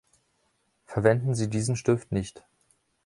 Verwenden Sie diesen Stift nicht.